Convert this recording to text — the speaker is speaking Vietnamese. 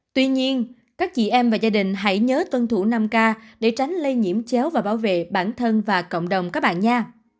tuy nhiên các chị em và gia đình hãy nhớ tuân thủ năm k để tránh lây nhiễm chéo và bảo vệ bản thân và cộng đồng các bạn nha